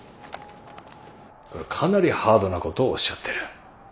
かなりハードなことをおっしゃってる。